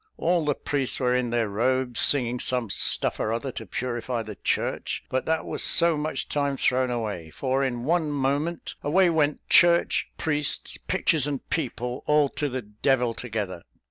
All the priests were in their robes, singing some stuff or another, to purify the church; but that was so much time thrown away, for in one moment away went church, priests, pictures, and people, all to the devil together."